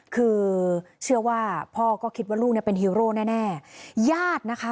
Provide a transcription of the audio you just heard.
คือเชื่อว่าพ่อก็คิดว่าลูกเนี่ยเป็นฮีโร่แน่แน่ญาตินะคะ